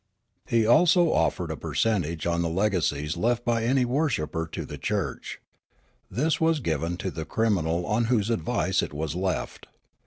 He also offered a percentage on the legacies left by any worshipper to the church ; this was given to the criminal on whose advice it was left.